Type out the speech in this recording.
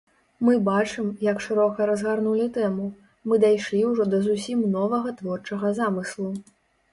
Мы бачым, як шырока разгарнулі тэму, мы дайшлі ўжо да зусім новага творчага замыслу.